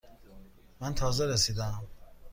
من تازه رسیده ام.